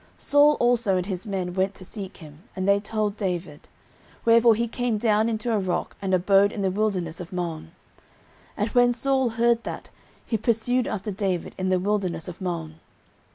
09:023:025 Saul also and his men went to seek him. And they told David; wherefore he came down into a rock, and abode in the wilderness of Maon. And when Saul heard that, he pursued after David in the wilderness of Maon.